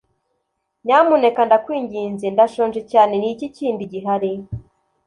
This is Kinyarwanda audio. nyamuneka ndakwinginze, ndashonje cyane, ni iki kindi gihari